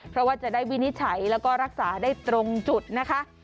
เพราะว่าจะได้วินิจฉัยแล้วก็รักษาได้ตรงจุดนะคะ